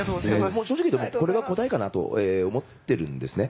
もう正直言うとこれが答えかなと思ってるんですね。